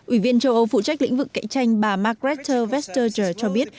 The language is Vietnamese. ủy viên châu âu phụ trách lĩnh vực cạnh tranh bà margaret westerger cho biết